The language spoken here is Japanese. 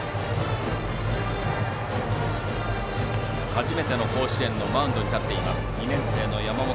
初めての甲子園のマウンドに立っている２年生の山本。